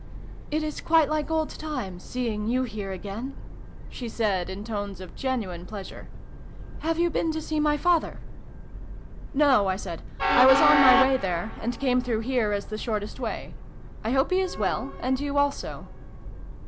" It is quite like old times, seeing you here again !" she said, in tones of genuine pleasure. " Have you been to see my father ?"" No," I said :" I was on my way there, and came through here as the shortest way. I hope he is well, and you also